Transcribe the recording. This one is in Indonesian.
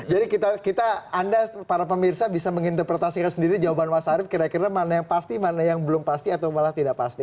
jadi kita anda para pemirsa bisa menginterpretasikan sendiri jawaban mas arief kira kira mana yang pasti mana yang belum pasti atau malah tidak pasti